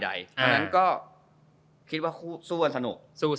ตรงนั้นก็คิดว่าคู่สู้กันสนุก